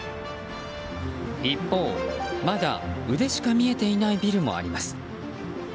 一方、まだ腕しか見えていないビルもあります。